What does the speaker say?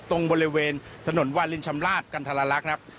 ตรงบริเวณถนนวาลินชำลาดกันทรลักษณ์ครับ